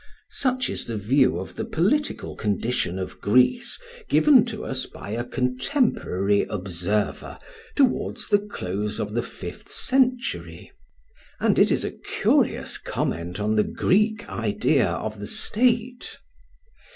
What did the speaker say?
Such is the view of the political condition of Greece given to us by a contemporary observer towards the close of the fifth century, and it is a curious comment on the Greek idea of the state.